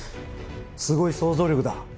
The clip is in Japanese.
すごい想像力だ。